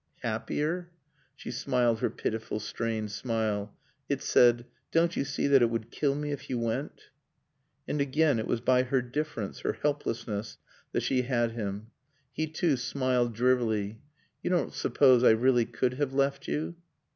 "Happier?" She smiled her pitiful, strained smile. It said, "Don't you see that it would kill me if you went?" And again it was by her difference, her helplessness, that she had him. He too smiled drearily. "You don't suppose I really could have left you?"